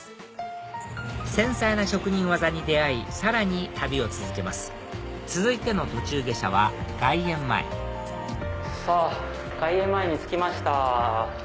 繊細な職人技に出会いさらに旅を続けます続いての途中下車は外苑前さぁ外苑前に着きました。